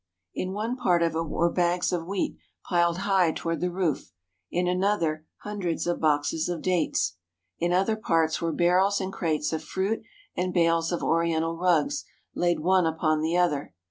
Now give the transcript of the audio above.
In one part of it were bags of wheat piled high toward the roof; in another hundreds of boxes of dates. In other parts were barrels and crates of fruit and bales of oriental rugs laid one upon the other.